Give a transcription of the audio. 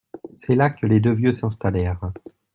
C’est là que les deux vieux s’installèrent